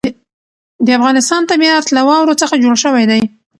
د افغانستان طبیعت له واورو څخه جوړ شوی دی.